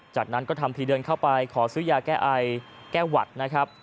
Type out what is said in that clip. จากนั้นก็ทำทีเดินเข้าไปขอซื้อยาแก้ไอแก้หวัดนะครับ